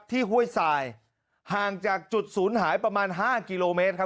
ห้วยสายห่างจากจุดศูนย์หายประมาณ๕กิโลเมตรครับ